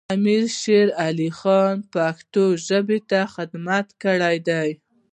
امیر شیر علی خان پښتو ژبې ته خدمتونه کړي دي.